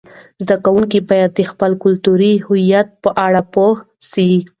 زده کوونکي باید د خپل کلتوري هویت په اړه پوه سي.